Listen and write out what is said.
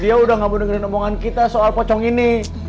dia udah gak mau dengerin omongan kita soal pocong ini